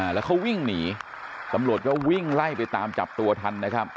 แล้วเขาวิ่งหนีตำรวจก็วิ่งไล่ไปตามจับตัวทันนะครับ